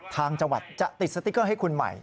ทางจังหวัดจะติดสติ๊กเกอร์ให้คุณใหม่